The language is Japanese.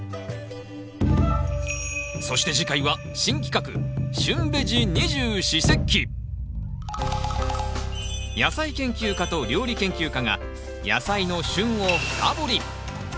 そして次回は新企画野菜研究家と料理研究家が野菜の「旬」を深掘り。